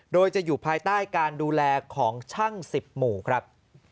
โดยจะอยู่ภายใต้การดูแลของช่าง๑๐หมู่ครับ